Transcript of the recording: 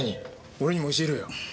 俺にも教えろよ。